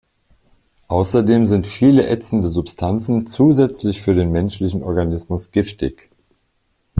Außerdem sind viele ätzende Substanzen zusätzlich für den menschlichen Organismus giftig.